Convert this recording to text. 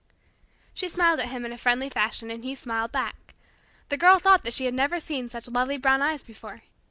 She smiled at him in a friendly fashion, and he smiled back. The Girl thought that she had never seen such lovely brown eyes before.